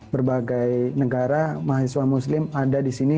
berbagai negara mahasiswa muslim ada di sini